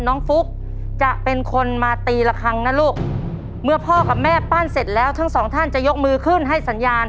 ฟุ๊กจะเป็นคนมาตีละครั้งนะลูกเมื่อพ่อกับแม่ปั้นเสร็จแล้วทั้งสองท่านจะยกมือขึ้นให้สัญญาณ